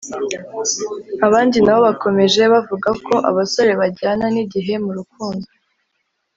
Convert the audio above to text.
Abandi nabo bakomeje bavuga ko abasore bajyana n’igihe mu rukundo